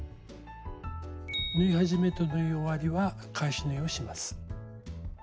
縫い始めと縫い終わりは返し縫いをします。